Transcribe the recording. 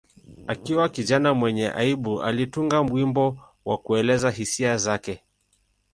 Akiwa kijana mwenye aibu, alitunga wimbo wa kuelezea hisia zake.